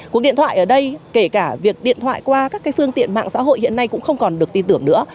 cuộc điện thoại ở đây kể cả việc điện thoại qua các phương tiện mạng xã hội hiện nay cũng không còn được tin tưởng nữa